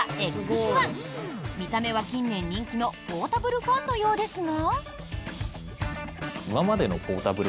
見た目は、近年人気のポータブルファンのようですが。